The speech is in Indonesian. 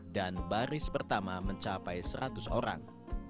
dan baris pertama mencapai seratus orang